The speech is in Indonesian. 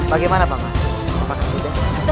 bagaimana bang apakah sudah